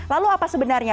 lalu apa sebenarnya